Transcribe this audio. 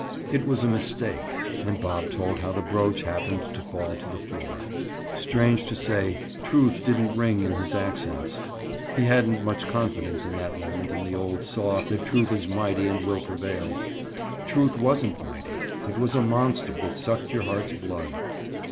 "It was a mistake." And Bob told how the brooch happened to fall to the floor. Strange to say, truth didn't ring in his accents. He hadn't much confidence at that moment in the old saw that truth is mighty and will prevail. Truth wasn't mighty; it was a monster that sucked your heart's blood.